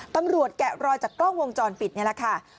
ตำรวจแกะรอยจากกล้องวงจรปิดเนี่ยแหละค่ะ